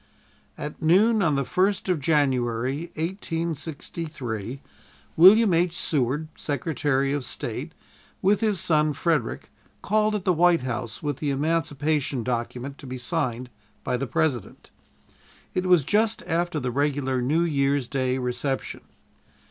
At noon on the first of January, 1863, William H. Seward, Secretary of State, with his son Frederick, called at the White House with the Emancipation document to be signed by the President. It was just after the regular New Year's Day reception.